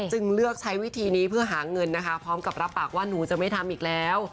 เลือกใช้วิธีนี้เพื่อหาเงินนะคะพร้อมกับรับปากว่าหนูจะไม่ทำอีกแล้ว